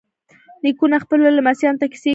نیکونه خپلو لمسیانو ته کیسې کوي.